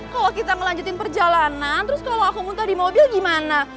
kalau kita ngelanjutin perjalanan terus kalau aku muntah di mobil gimana